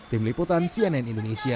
tim liputan cnn indonesia